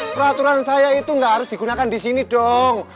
peraturan saya itu gak harus digunakan disini dong